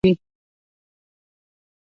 افغانستان به ژوندی وي؟